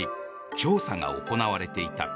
調査が行われていた。